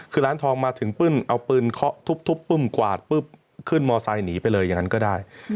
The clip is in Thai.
คือร้านทองมาถึงปึ้นเอาปืนเคาะทุบปึ้มกวาดปุ๊บขึ้นมอไซค์หนีไปเลยอย่างนั้นก็ได้